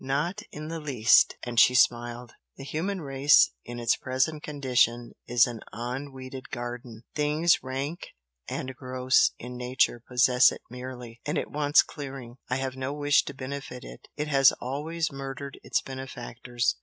"Not in the least!" and she smiled "The human race in its present condition is 'an unweeded garden, things rank and gross in nature possess it merely,' and it wants clearing. I have no wish to benefit it. It has always murdered its benefactors.